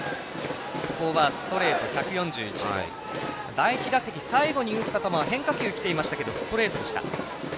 第１打席最後に打った球は変化球、きていましたがストレートでした。